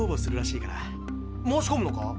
申しこむのか？